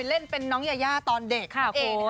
เล่นเป็นน้องยายาตอนเด็กค่ะคุณ